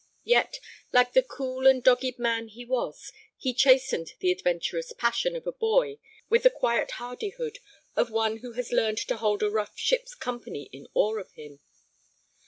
Yet, like the cool and dogged man he was, he chastened the adventurous passion of a boy with the quiet hardihood of one who has learned to hold a rough ship's company in awe of him.